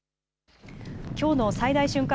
きょうの最大瞬間